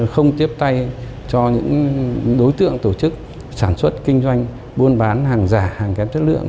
không tiếp tay cho những đối tượng tổ chức sản xuất kinh doanh buôn bán hàng giả hàng kém chất lượng